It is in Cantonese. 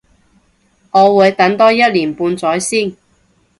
我會等多一年半載先